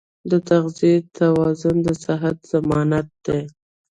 د تغذیې توازن د صحت ضمانت دی.